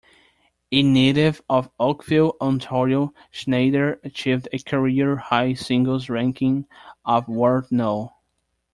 A native of Oakville, Ontario, Sznajder achieved a career-high singles ranking of World No.